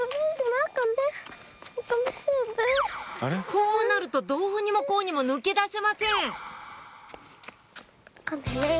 こうなるとどうにもこうにも抜け出せません